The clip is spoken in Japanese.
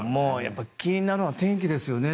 気になるのはお天気ですね。